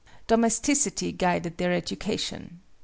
Domesticity guided their education.